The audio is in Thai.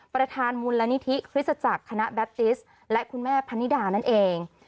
ประทานมูลธนิษฐิคริสตจากคณะแบปทิสต์และคุณแม่พันธิดานั่นเอง